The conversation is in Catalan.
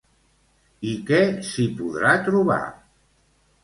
I què s'hi podrà trobar?